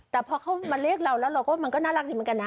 แต่พอเขามาเรียกเราแล้วเราก็มันก็น่ารักดีเหมือนกันนะ